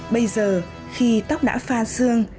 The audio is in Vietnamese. bây giờ khi tóc đã pha xương